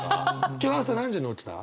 今日朝何時に起きた？